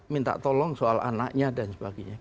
minta tolong soal anaknya dan sebagainya